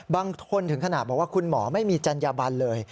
ถึงขนาดบอกว่าคุณหมอไม่มีจัญญบันเลย